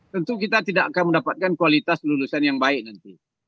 tentu kita tidak akan mendapatkan kualitas lulusan yang baik nanti